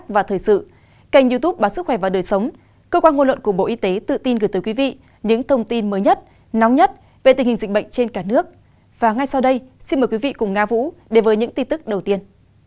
và ngay sau đây xin mời quý vị cùng nga vũ đề với những tin tức đầu tiên